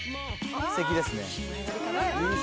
すてきですね。